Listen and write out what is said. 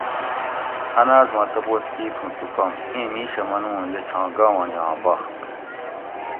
ان آس ما تپوس کیت ھوں تو کوم ؟ ایں میشہ منو اُوں یہ چھاں گاونڑیاں بخت